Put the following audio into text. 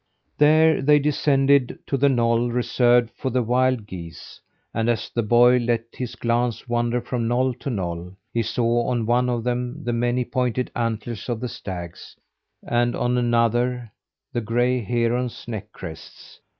There they descended to the knoll reserved for the wild geese; and as the boy let his glance wander from knoll to knoll, he saw on one of them the many pointed antlers of the stags; and on another, the gray herons' neck crests.